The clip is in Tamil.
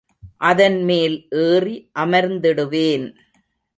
அதன்மேல் ஏறி அமர்ந்திடுவேன்.